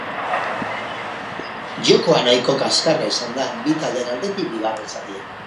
Jokoa nahiko kaskarra izan da bi taldeen aldetik bigarren zatian.